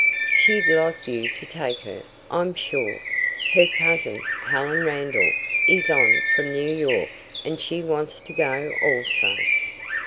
She'd like you to take her, I'm sure. Her cousin, Helen Randall, is on from New York, and she wants to go, also."